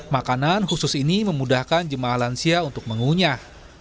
makanan khusus ini memudahkan jemaah lansia untuk mengunyah